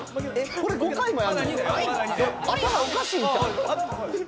これ、５回もやるの？